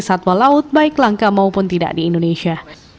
satwa laut baik langka maupun tidak di indonesia